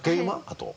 あと。